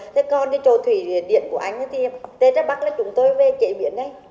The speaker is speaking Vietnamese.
thế còn cái trò thủy điện của anh thì tết ra bắc là chúng tôi về chế biến đấy